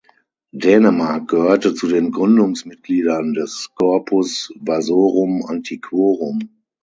Dänemark gehörte zu den Gründungsmitgliedern des Corpus Vasorum Antiquorum.